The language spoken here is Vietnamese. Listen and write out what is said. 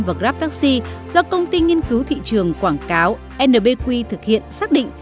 và grab taxi do công ty nghiên cứu thị trường quảng cáo nbq thực hiện xác định